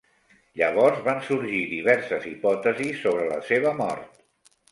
Llavors van sorgir diverses hipòtesis sobre la seva mort.